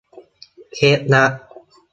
เคล็ดลับ